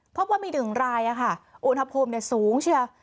เพราะว่ามี๑รายอุณหภูมิสูงใช่ไหม